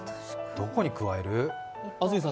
どこに加える？